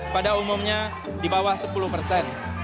pada umumnya di bawah sepuluh persen